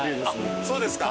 あっそうですか。